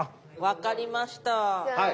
わかりました。